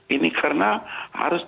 ini karena harus